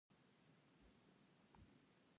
وچکالي امتحان دی.